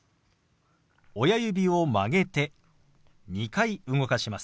親指を曲げて２回動かします。